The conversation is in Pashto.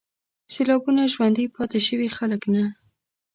سېلابونو ژوندي پاتې شوي خلک نه